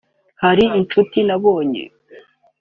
Hari inshuti nabonye